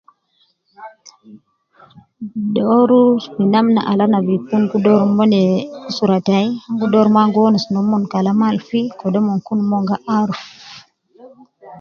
Dooru fi namna al ana bi kun gi dooru mo ne usra tayi, ana gi dooru mo ana gi wonus nomon kalam al fi, kede omon kun mon gi aaruf.